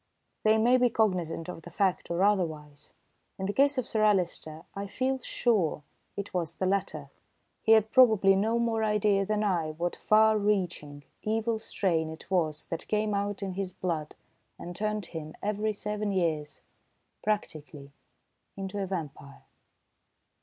They may be cognisant of the fact or otherwise. In the case of Sir Alister I feel sure it was the latter. He had probably no more idea than I what far reaching, evil strain it was that came out in his blood and turned him, every seven years, practically into a vampire.